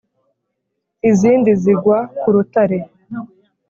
Izindi zigwa ku rutare